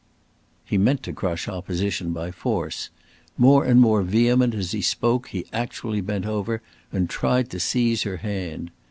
He meant to crush opposition by force. More and more vehement as he spoke he actually bent over and tried to seize her hand.